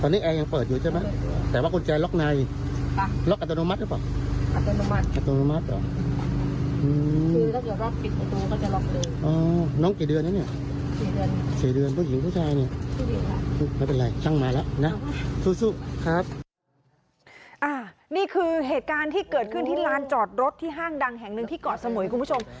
นี่คือเหตุการณ์ที่เกิดขึ้นที่ลานจอดรถที่ห้างดังแห่งหนึ่งที่เกาะสมุยคุณผู้ชม